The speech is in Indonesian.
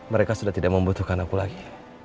mereka sudah tidak membutuhkan aku lagi